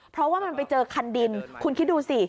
เพราะว่ามันไปเจอคันดินคุณคิดดูสิ